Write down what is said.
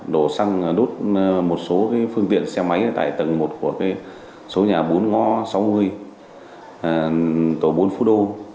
đổ xăng đốt một số phương tiện xe máy tại tầng một của số nhà bốn ngõ sáu mươi tổ bốn phú đô